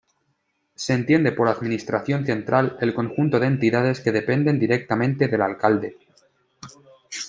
Se entiende por Administración Central, el conjunto de entidades que dependen directamente del Alcalde.